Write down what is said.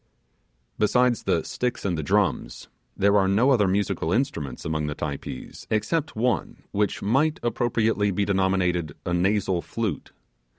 ........ Besides the sticks and the drums, there are no other musical instruments among the Typees, except one which might appropriately be denominated a nasal flute.